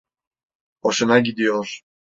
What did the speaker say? Hoşuna gidiyor.